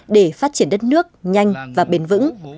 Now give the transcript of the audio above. để phát triển đất nước nhanh và bền vững